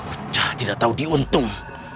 uca tidak tau diuntung